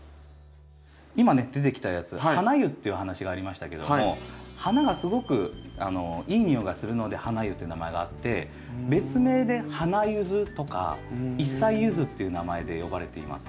今ね出てきたやつハナユっていう話がありましたけども花がすごくいい匂いがするのでハナユって名前があって別名で花ユズとか一才ユズっていう名前で呼ばれています。